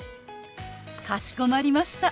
かしこまりました。